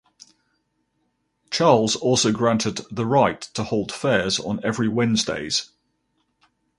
Charles also granted the right to hold fairs on every Wednesdays.